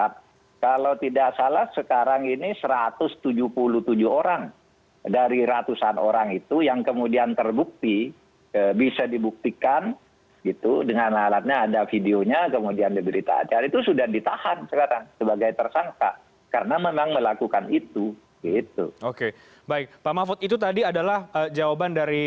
pak mafud itu tadi adalah jawaban dari